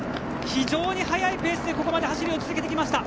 非常にいいペースでここまで走り続けてきました。